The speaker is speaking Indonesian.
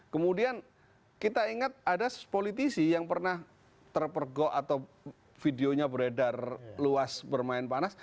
kemudian kita ingat ada politisi yang pernah terpergok atau videonya beredar luas bermain panas